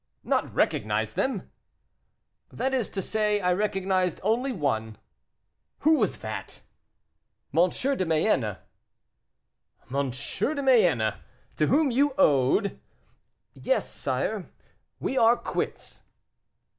"Not recognized them?" "That is to say, I recognized only one." "Who was that?" "M. de Mayenne." "M. de Mayenne, to whom you owed " "Yes, sire; we are quits."